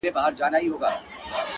کلونه کیږي بې ځوابه یې بې سواله یې،